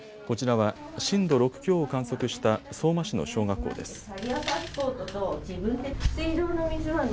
こちらは震度６強を観測した相馬市の小学校です。